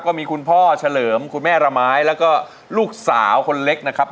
ก็มีคุณพ่อเฉลิมคุณแม่ระไม้แล้วก็ลูกสาวคนเล็กนะครับ